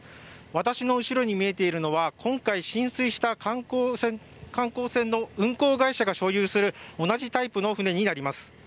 私の後ろに見えているのは今回浸水した観光船の運航会社が所有する同じタイプの船になります。